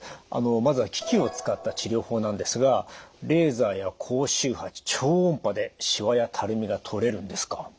まずは機器を使った治療法なんですがレーザーや高周波超音波でしわやたるみがとれるんですか？